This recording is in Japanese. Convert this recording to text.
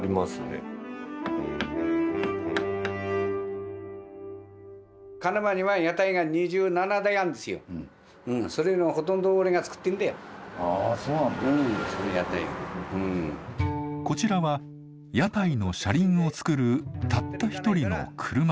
こちらは屋台の車輪を作るたった一人の車師乾さん。